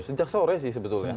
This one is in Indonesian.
sejak sore sih sebetulnya